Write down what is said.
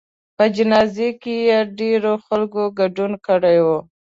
په جنازه کې یې ډېرو خلکو ګډون کړی و.